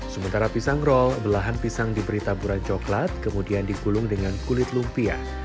sementara pisang roll belahan pisang diberi taburan coklat kemudian digulung dengan kulit lumpia